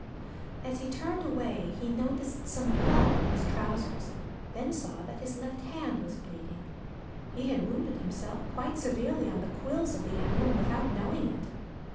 As he turned away he noticed some blood on his trousers, then saw that his left hand was bleeding. He had wounded himself quite severely on the quills of the animal without knowing it.